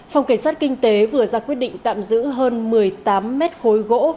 phòng cảnh sát kinh tế vừa ra quyết định tạm giữ hơn một mươi tám mét khối gỗ